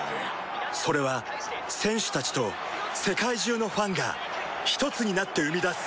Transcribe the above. それは選手たちと世界中のファンがひとつになって生み出す